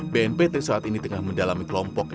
bnpt saat ini tengah mendalami kelompok